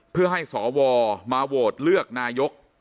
เพื่อให้สวมาโหวตเลือกนายก